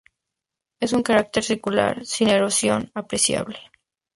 Es un cráter circular, sin erosión apreciable.